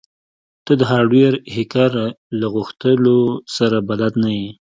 ته د هارډویر هیکر له غوښتنو سره بلد نه یې